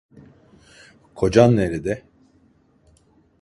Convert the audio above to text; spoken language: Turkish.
Kocan nerede?